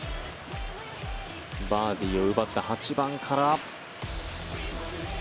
バーディーを奪った８番から。